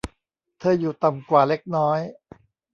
เธออยู่ต่ำกว่าเล็กน้อย